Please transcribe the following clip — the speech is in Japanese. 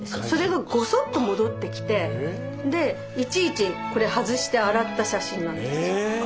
それがごそっと戻ってきてでいちいちこれ外して洗った写真なんですよ。